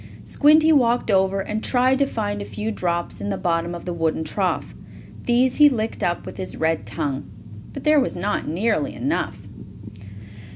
Squinty walked over and tried to find a few drops in the bottom of the wooden trough. These he licked up with his red tongue. But there was not nearly enough.